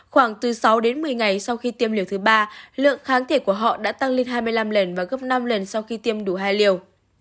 khoảng từ sáu đến một mươi ngày sau khi tiêm liều thứ ba lượng kháng thể của họ đã tăng lên hai mươi năm lần và gấp năm lần sau khi tiêm đủ hai liều